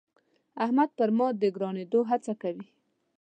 احمد پر ما د ګرانېدو هڅه کوي.